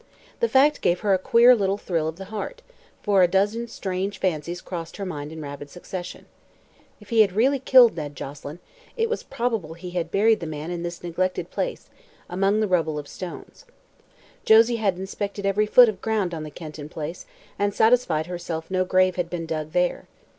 The fact gave her a queer little thrill of the heart, for a dozen strange fancies crossed her mind in rapid succession. If he had really killed Ned Joselyn, it was probable he had buried the man in this neglected place, amongst the rubble of stones. Josie had inspected every foot of ground on the Kenton Place and satisfied herself no grave had been dug there.